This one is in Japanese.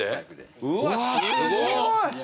うわすごい。